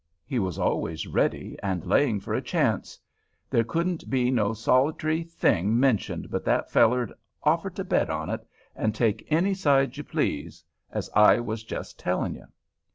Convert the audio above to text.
He was always ready and laying for a chance; there couldn't be no solit'ry thing mentioned but that feller'd offer to bet on it, and take any side you please, as I was just telling you.